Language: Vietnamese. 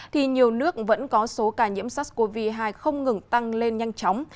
thì nhiều nước vẫn có số ca nhiễm sars cov hai không ngừng tăng lên nhanh chóng